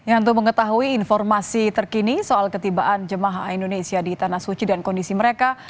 untuk mengetahui informasi terkini soal ketibaan jemaah indonesia di tanah suci dan kondisi mereka